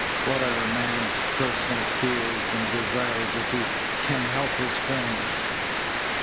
What are a man's personal fears and desires if he can help his friends?"